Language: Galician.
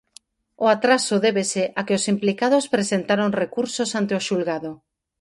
O atraso débese a que os implicados presentaron recursos ante o xulgado.